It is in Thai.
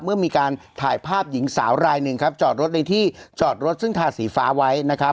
เมื่อมีการถ่ายภาพหญิงสาวรายหนึ่งครับจอดรถในที่จอดรถซึ่งทาสีฟ้าไว้นะครับ